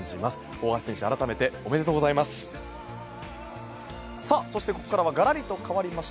大橋選手、改めておめでとうございます。